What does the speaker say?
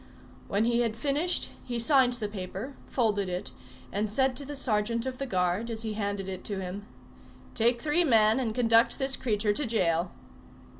When he had finished he signed the paper, folded it, and said to the sergeant of the guard, as he handed it to him, "Take three men and conduct this creature to jail."